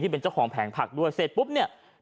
ที่เป็นเจ้าของแผงผักด้วย